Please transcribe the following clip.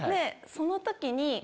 その時に。